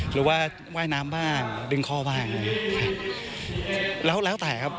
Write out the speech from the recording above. หรือว่าว่ายน้ำบ้างดึงคอบ้างแล้วแล้วแต่ครับ